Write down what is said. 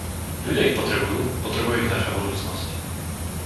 Ľudia ich potrebujú; potrebuje ich naša budúcnosť.